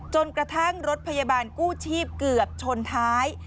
จนกระทั่งรถพยาบาลกู้ชีพเกือบชนท้าย